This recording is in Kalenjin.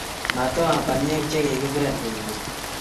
Matahuam banyek chegikibeel koeg keny